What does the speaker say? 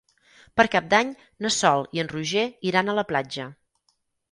Per Cap d'Any na Sol i en Roger iran a la platja.